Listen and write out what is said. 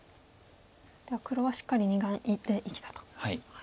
では黒はしっかり２眼で生きたと。